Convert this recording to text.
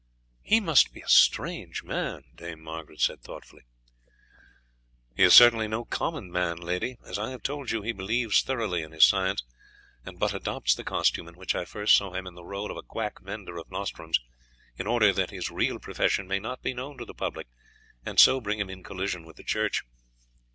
"He must be a strange man," Dame Margaret said thoughtfully. "He is certainly no common man, lady. As I have told you, he believes thoroughly in his science, and but adopts the costume in which I first saw him and the role of a quack vendor of nostrums in order that his real profession may not be known to the public, and so bring him in collision with the church."